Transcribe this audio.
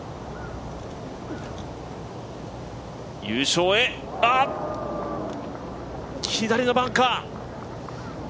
優勝へ、あっ、左のバンカー。